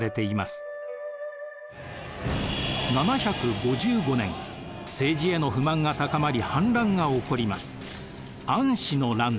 ７５５年政治への不満が高まり反乱が起こります。